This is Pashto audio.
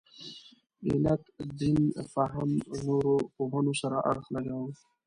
علت دین فهم نورو پوهنو سره اړخ لګاوه.